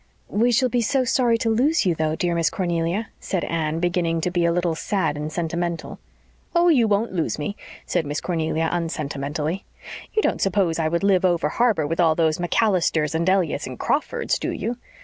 "We shall be so sorry to lose you, though, dear Miss Cornelia," said Anne, beginning to be a little sad and sentimental. "Oh, you won't lose me," said Miss Cornelia unsentimentally. "You don't suppose I would live over harbor with all those MacAllisters and Elliotts and Crawfords, do you?